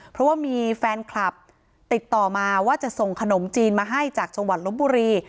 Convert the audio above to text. เพราะว่ามีแฟนคลับติดต่อมาว่าจะส่งขนมจีนมาให้จากจังหวัดลบบุรี